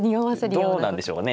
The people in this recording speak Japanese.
どうなんでしょうね。